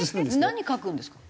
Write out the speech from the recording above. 何書くんですか？